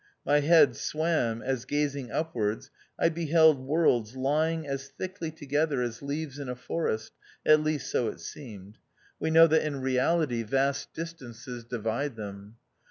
My head swam as, gazing up wards, I beheld worlds lying as thickly together as leaves in a forest — at least so it seemed ; we know that in reality vast THE OUTCAST. 247 distances divide them.